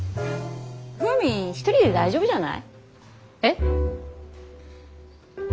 フーミン一人で大丈夫じゃない？えっ。